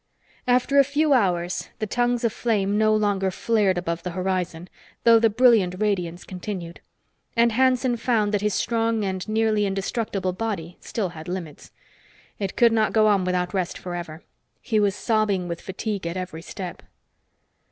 After a few hours, the tongues of flame no longer flared above the horizon, though the brilliant radiance continued. And Hanson found that his strong and nearly indestructible body still had limits. It could not go on without rest forever. He was sobbing with fatigue at every step.